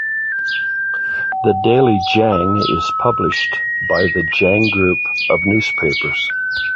The "Daily Jang" is published by the Jang Group of Newspapers.